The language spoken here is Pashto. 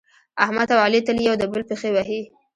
احمد او علي تل یو د بل پښې وهي.